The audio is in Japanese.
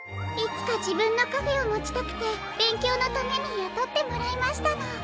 いつかじぶんのカフェをもちたくてべんきょうのためにやとってもらいましたの。